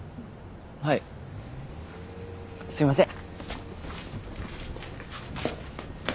はいすいません。